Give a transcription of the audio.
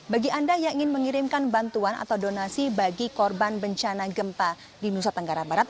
bagi anda yang ingin mengirimkan bantuan atau donasi bagi korban bencana gempa di nusa tenggara barat